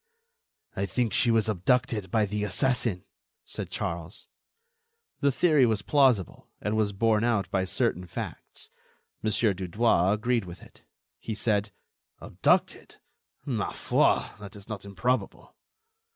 "I think she was abducted by the assassin," said Charles. The theory was plausible, and was borne out by certain facts. Mon. Dudouis agreed with it. He said: "Abducted? ma foi! that is not improbable."